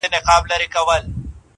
ژوند که ورته غواړې وایه وسوځه-